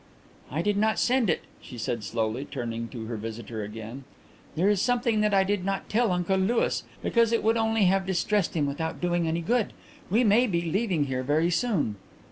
"I did not send it," she said slowly, turning to her visitor again. "There is something that I did not tell Uncle Louis, because it would only have distressed him without doing any good. We may be leaving here very soon."